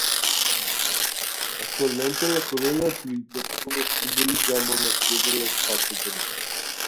Attualmente la corona è utilizzata come simbolo della monarchia e dello stato danese.